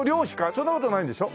そんな事ないんでしょ？